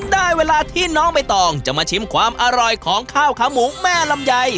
ได้เวลาที่น้องใบตองจะมาชิมความอร่อยของข้าวขาหมูแม่ลำไย